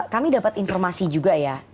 kami dapat informasi juga ya